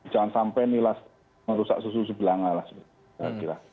jangan sampai nilai merusak susu sebelah nilai lah